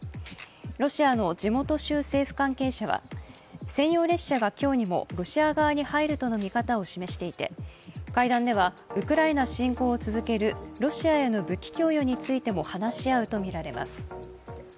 ロシアの地元州政府関係者は専用列車が今日にもロシア側に入るとの見方を示していて会談では、ウクライナ侵攻を続けるロシアへの武器供与についても話し合うとみられます。